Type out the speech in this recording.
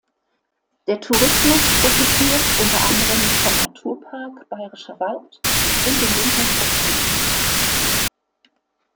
Der Tourismus profitiert unter anderem vom Naturpark Bayerischer Wald und den Wintersportmöglichkeiten.